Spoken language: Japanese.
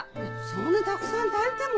そんなたくさん炊いても。